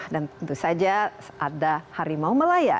dan tentu saja ada harimau melayu